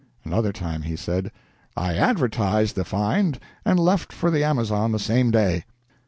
Another time he said, "I advertised the find and left for the Amazon the same day."